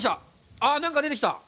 ああ、なんか出てきた。